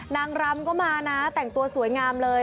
นางรำก็มานะแต่งตัวสวยงามเลย